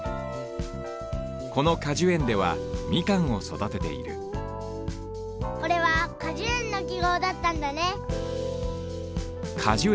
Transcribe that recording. この果樹園ではみかんをそだてているこれは果樹園のきごうだったんだね！